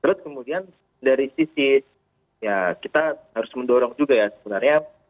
terus kemudian dari sisi ya kita harus mendorong juga ya sebenarnya